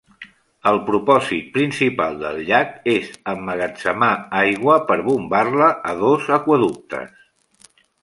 El propòsit principal del llac és emmagatzemar aigua per bombar-la a dos aqüeductes.